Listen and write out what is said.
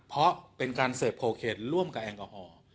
เพราะเป็นการเสิร์ฟโคเคนร่วมกับแอลกอฮอล์